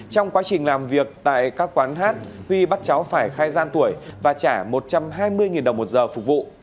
trong quá trình làm việc tại các quán hát huy bắt cháu phải khai gian tuổi và trả một trăm hai mươi đồng một giờ phục vụ